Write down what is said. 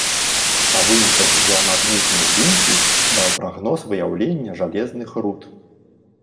Па выніках геамагнітнай здымкі даў прагноз выяўлення жалезных руд.